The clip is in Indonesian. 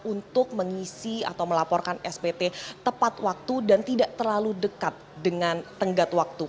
untuk mengisi atau melaporkan spt tepat waktu dan tidak terlalu dekat dengan tenggat waktu